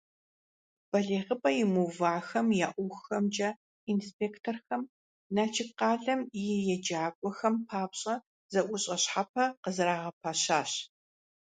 БалигъыпӀэ имыувахэм я ӀуэхухэмкӀэ инспекторхэм Налшык къалэм и еджакӀуэхэм папщӀэ зэӀущӀэ щхьэпэ къызэрагъэпэщащ.